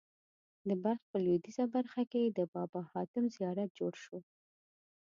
د بلخ په لوېدیځه برخه کې د بابا حاتم زیارت جوړ شو.